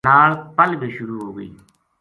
نال پل بے شروع ہو گئی